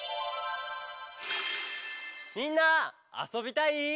「みんなあそびたい？」